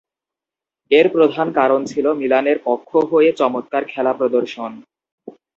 এর প্রধান কারণ ছিল মিলানের পক্ষ হয়ে চমৎকার খেলা প্রদর্শন।